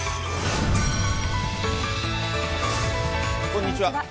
こんにちは。